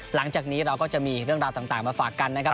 หลังจากนี้เราก็จะมีเรื่องราวต่างมาฝากกันนะครับ